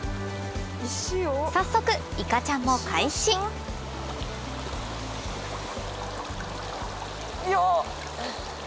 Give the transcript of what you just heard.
早速いかちゃんも開始よっ。